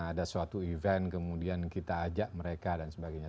karena ada suatu event kemudian kita ajak mereka dan sebagainya